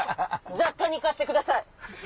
雑貨に行かせてください！